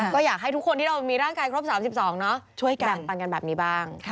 ก็อยากให้ทุกคนที่เรามีร่างกายครบ๓๒ช่วยกันแบ่งปันกันแบบนี้บ้าง